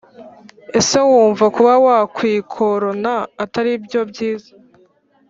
Ese wumva kuba wakwikorona ataribyo byiza